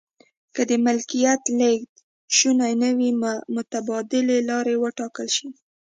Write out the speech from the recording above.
که د ملکیت لیږد شونی نه وي متبادلې لارې و ټاکل شي.